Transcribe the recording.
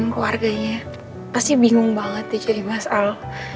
keluarganya pasti bingung banget di cari mas al